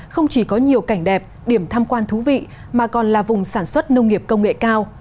không chỉ có nhiều cảnh đẹp điểm tham quan thú vị mà còn là vùng sản xuất nông nghiệp công nghệ cao